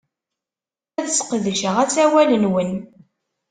Ad sqedceɣ asawal-nwen.